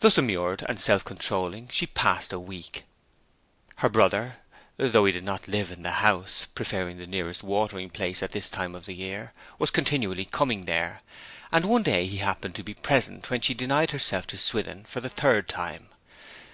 Thus immured and self controlling she passed a week. Her brother, though he did not live in the house (preferring the nearest watering place at this time of the year), was continually coming there; and one day he happened to be present when she denied herself to Swithin for the third time.